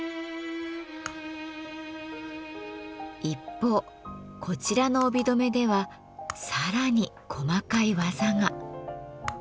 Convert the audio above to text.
一方こちらの帯留めでは更に細かい技が。